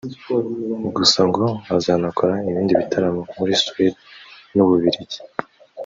gusa ngo azanakora ibindi bitaramo muri Suwede n’ u Bubiligi